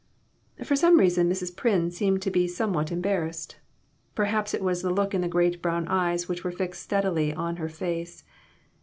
For some reason Mrs. Pryn seemed to be some what embarrassed. Perhaps it was the look in the great brown eyes which were fixed steadily on her face.